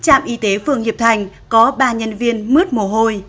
trạm y tế phương hiệp thành có ba nhân viên mứt mồ hôi